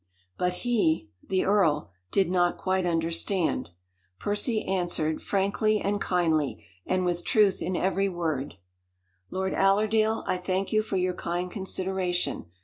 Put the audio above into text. But he the earl did not quite understand. Percy answered, frankly and kindly, and with truth in every word: "Lord Allerdale, I thank you for your kind consideration.